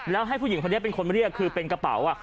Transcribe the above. แล้วให้ผู้หญิงคนนี้เป็นคนมาเรียกคือเป็นกระเป๋า